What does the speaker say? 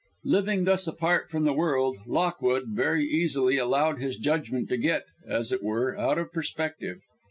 Living thus apart from the world, Lockwood very easily allowed his judgment to get, as it were, out of perspective.